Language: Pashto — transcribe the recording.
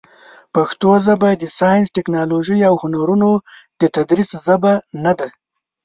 پښتو ژبه د ساینس، ټکنالوژۍ، او هنرونو د تدریس ژبه نه ده.